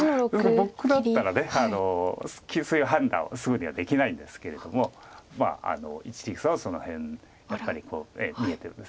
僕だったら形勢判断をすぐにはできないんですけれども一力さんはその辺やっぱり見えてるんですよね。